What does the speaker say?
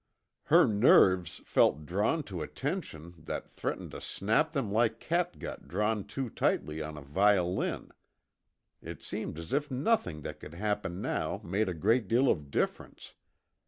Her nerves felt drawn to a tension that threatened to snap them like catgut drawn too tightly on a violin. It seemed as if nothing that could happen now made a great deal of difference.